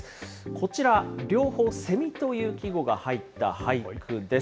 こちら、両方、蝉という季語が入った俳句です。